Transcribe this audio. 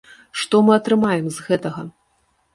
Што мы атрымаем з гэтага?